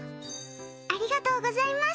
ありがとうございます。